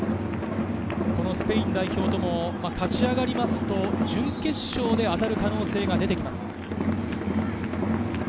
スペイン代表とも勝ち上がると準決勝で当たる可能性が出てきます。